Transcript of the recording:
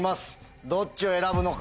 どっちを選ぶのか。